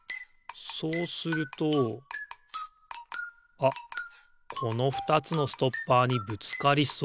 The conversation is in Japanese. そうするとあっこの２つのストッパーにぶつかりそう。